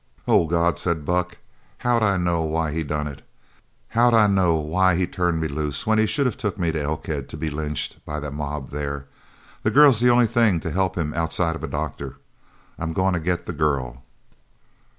"Oh, God," said Buck. "How'd I know why he done it? How'd I know why he turned me loose when he should of took me to Elkhead to be lynched by the mob there? The girl's the only thing to help him outside of a doctor. I'm goin' to get the girl."